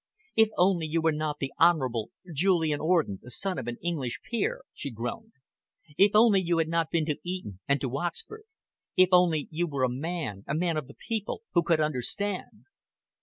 "If only you were not the Honourable Julian Orden, the son of an English peer!" she groaned. "If only you had not been to Eton and to Oxford! If only you were a man, a man of the people, who could understand!"